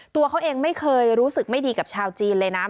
ตัวเขาเองไม่เคยรู้สึกไม่ดีกับชาวจีนเลยนะ